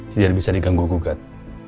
sedia bisa diganggu gugat